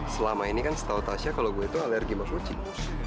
selama ini kan setahu tasya kalo gua itu alergi sama kucing